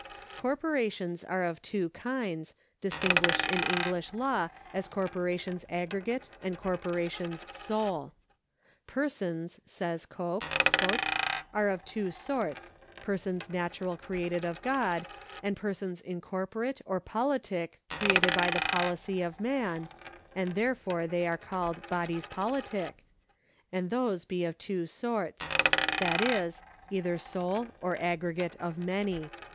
Corporations are of two kinds, distinguished in English law as corporations aggregate and corporations sole, " Persons," says Coke,^ " are of two sorts, persons natural created of God, ... and persons incorporate or pohtique created by the 1 Co, Litt. 2. a. 282 PERSONS [§ 114 policy of man (and therefore they are called bodies politique) ; and those be of two sorts, viz., either sole, or aggregate of many."